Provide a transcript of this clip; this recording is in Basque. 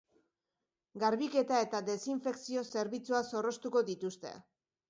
Garbiketa eta desinfekzio zerbitzuak zorroztuko dituzte.